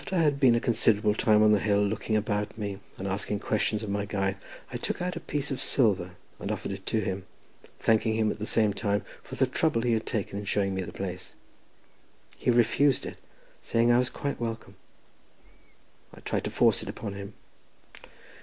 After I had been a considerable time on the hill, looking about me and asking questions of my guide, I took out a piece of silver and offered it to him, thanking him at the same time for the trouble he had taken in showing me the place. He refused it, saying that I was quite welcome. I tried to force it upon him.